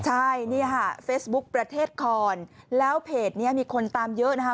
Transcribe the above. ใช่เนี่ยค่ะเฟซบุ๊คประเทศคอนแล้วเพจนี้มีคนตามเยอะนะคะ